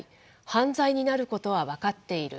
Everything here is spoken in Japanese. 犯罪になることは分かっている。